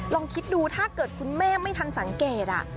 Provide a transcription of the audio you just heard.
ลองคิดดูถ้าเกิดคุณแม่ไม่ทันสังเกต